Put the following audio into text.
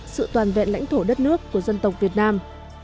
sự toàn vẹn lãnh thổ đất nước của dân tộc việt nam